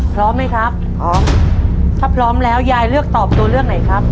พร้อมไหมครับพร้อมถ้าพร้อมแล้วยายเลือกตอบตัวเลือกไหนครับ